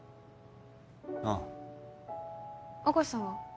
ああ明石さんは？